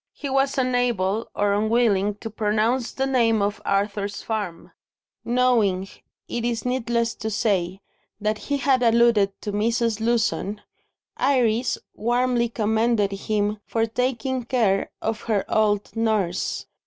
He was unable, or unwilling, to pronounce the name of Arthur's farm. Knowing, it is needless to say, that he had alluded to Mrs. Lewson, Iris warmly commended him for taking care of her old nurse.